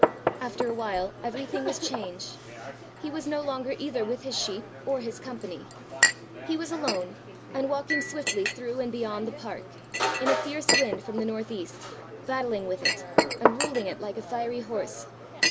After a while, everything was changed. He was no longer either with his sheep or his company. He was alone, and walking swiftly through and beyond the park, in a fierce wind from the north east, battling with it, and ruling it like a fiery horse.